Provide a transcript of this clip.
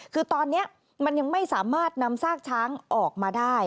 คือตอนนี้มันยังไม่สามารถนำซากช้างออกมาได้